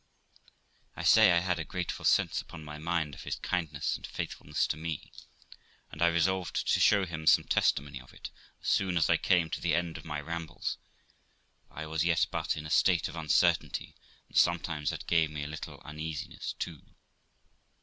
I say, I had a grateful sense upon my mind of his kindness and faith fulness to me, and I resolved to show him some testimony of it as soon as I came to the end of my rambles, for I was yet but in a state of uncertainty, and sometimes that gave me a little uneasiness too.